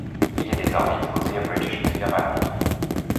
Il est désormais exposé au British Museum à Londres.